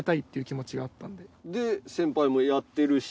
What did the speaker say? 先輩もやってるし。